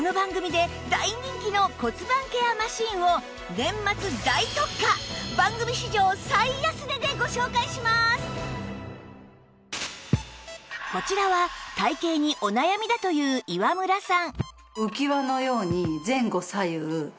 この番組でこちらは体形にお悩みだという岩村さん